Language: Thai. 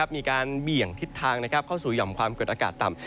เบี่ยงทิศทางเข้าสู่หย่อมความกดอากาศต่ำ